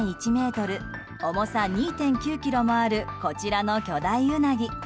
ｍ重さ２．９ｋｇもあるこちらの巨大ウナギ。